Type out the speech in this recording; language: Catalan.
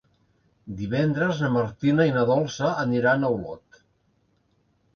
Divendres na Martina i na Dolça aniran a Olot.